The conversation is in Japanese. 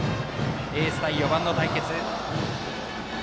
エース対４番の対決。